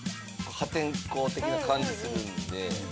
破天荒的な感じするんで。